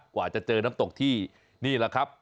กว่าจะเจอน้ำตกที่นี่แหละครับ